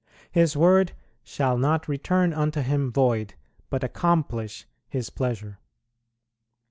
His word "shall not return unto Him void, but accomplish" His pleasure.